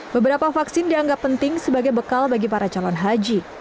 beberapa vaksin dianggap penting sebagai bekal bagi para calon haji